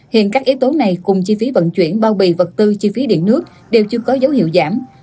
hiện các yếu tố này cùng chi phí vận chuyển bao bì vật tư chi phí điện nước đều chưa có dấu hiệu giảm